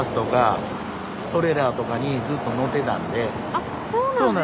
あっそうなんですか！